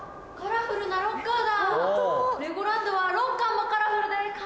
カラフルロッカーだ！